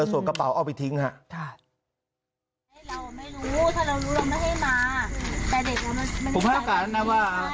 ส่วนกระเป๋าออกไปทิ้งฮะถ้าเรารู้เราไม่ให้มาแต่เด็กผมไม่มีกัน